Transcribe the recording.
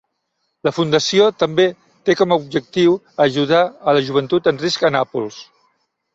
La Fundació també té com a objectiu ajudar a la joventut en risc a Nàpols.